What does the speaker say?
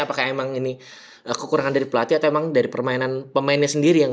apakah emang ini kekurangan dari pelatih atau emang dari permainan pemainnya sendiri yang